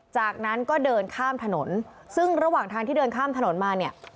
จากนั้นก็เดินข้ามถนนซึ่งระหว่างทางที่เดินข้ามถนนมาเนี่ย